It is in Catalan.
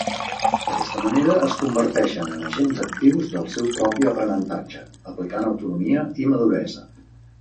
D'aquesta manera es converteixen en agents actius del seu propi aprenentatge, aplicant autonomia i maduresa.